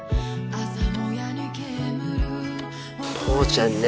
父ちゃんね。